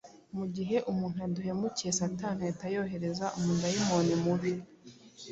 mu gihe umuntu aduhemukiye, Satani ahita yohereza umudayimoni mubi